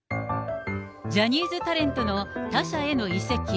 ジャニーズタレントの他社への移籍。